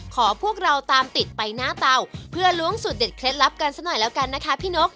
พวกเราตามติดไปหน้าเตาเพื่อล้วงสูตรเด็ดเคล็ดลับกันสักหน่อยแล้วกันนะคะพี่นก